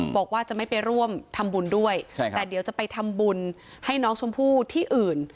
บอกว่าจะไม่ไปร่วมทำบุญด้วยแต่เดี๋ยวจะไปทำบุญให้น้องชมพู่ที่อื่น